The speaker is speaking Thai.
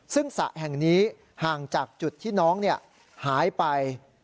ซึ่งสระแห่งนี้ห่างจากจุดที่น้องหายไป